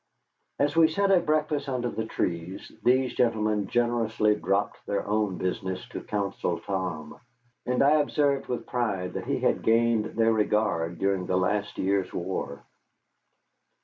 As we sat at breakfast under the trees, these gentlemen generously dropped their own business to counsel Tom, and I observed with pride that he had gained their regard during the last year's war.